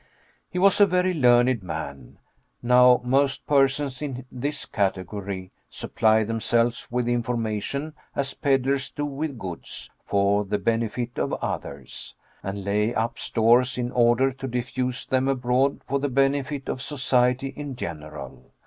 He was a very learned man. Now most persons in this category supply themselves with information, as peddlers do with goods, for the benefit of others, and lay up stores in order to diffuse them abroad for the benefit of society in general.